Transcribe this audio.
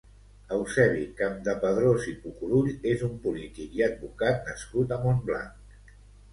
Eusebi Campdepadrós i Pucurull és un polític i advocat nascut a Montblanc.